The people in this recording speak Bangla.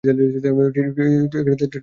ঠিক ভাবে কিন্তু!